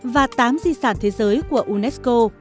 và tám di sản thế giới của unesco